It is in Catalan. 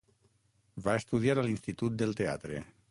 Va estudiar a l'Institut del Teatre.